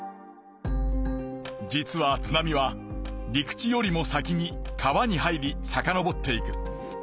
実は津波は陸地よりも先に川に入りさかのぼっていく。